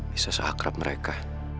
bisa seakrab mereka